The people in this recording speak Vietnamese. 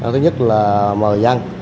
thứ nhất là mời dân